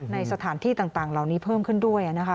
ในสถานที่ต่างเหล่านี้เพิ่มขึ้นด้วยนะคะ